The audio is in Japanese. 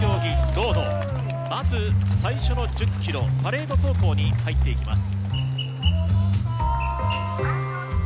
まず最初の１０キロパレード走行に入っていきます。